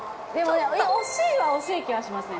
惜しいのは惜しい気がしますね。